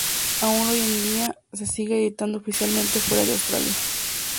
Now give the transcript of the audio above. Aún hoy en día se sigue editando oficialmente fuera de Australia.